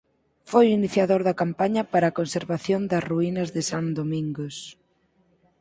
Foi o iniciador da campaña para a conservación das ruínas de San Domingos.